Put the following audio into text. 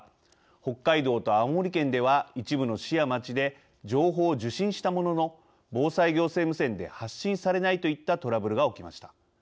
北海道と青森県では一部の市や町で情報を受信したものの防災行政無線で発信されないといったトラブルが起きました。